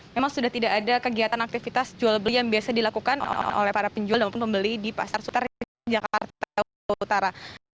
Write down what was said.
memang sudah tidak ada kegiatan aktivitas jual beli yang biasa dilakukan oleh para penjual dan pembeli di pasar sutar jakarta utara